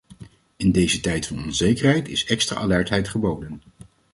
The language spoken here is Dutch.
In deze tijd van onzekerheid is extra alertheid geboden.